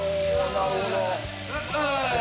なるほど。